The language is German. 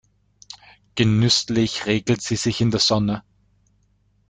Genüsslich räkelt sie sich in der Sonne.